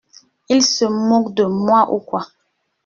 Il se moque de moi ou quoi?